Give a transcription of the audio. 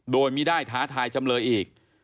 โดยไม่ได้ท้าทายจำเลยอีก